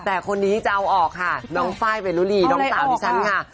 แต่คนนี้จะเอาออกค่ะน้องไฟล์เวรุลีน้องสาวที่ฉันค่ะ